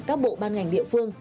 các bộ ban ngành địa phương